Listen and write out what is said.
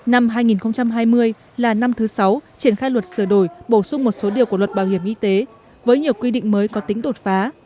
năm hai nghìn hai mươi là năm thứ sáu triển khai luật sửa đổi bổ sung một số điều của luật bảo hiểm y tế với nhiều quy định mới có tính đột phá